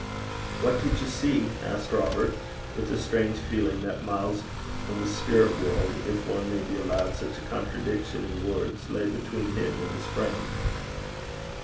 'What did you see?' asked Robert, with a strange feeling that miles of the spirit world, if one may be allowed such a contradiction in words, lay between him and his friend.